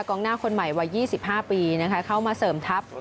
กองหน้าคนใหม่วัย๒๕ปีเข้ามาเสริมทัพ